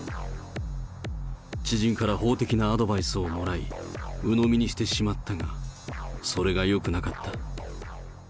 知人から法的なアドバイスをもらい、うのみにしてしまったが、それがよくなかった。